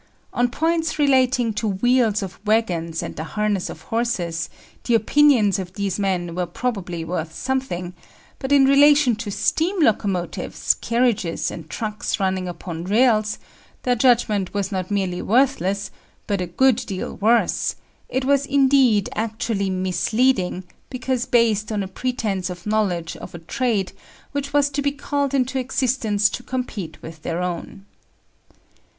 On points relating to wheels of waggons and the harness of horses, the opinions of these men were probably worth something; but in relation to steam locomotives, carriages and trucks running upon rails, their judgment was not merely worthless, but a good deal worse; it was indeed actually misleading, because based on a pretence of knowledge of a trade which was to be called into existence to compete with their own.